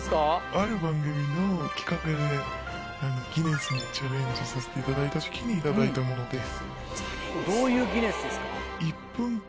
ある番組の企画でギネスにチャレンジさせていただいた時に頂いたものです。